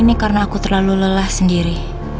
ini karena aku terlalu lelah sendiri